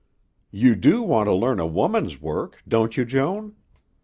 You do want to learn a woman's work, don't you, Joan?"